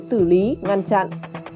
xử lý ngăn chặn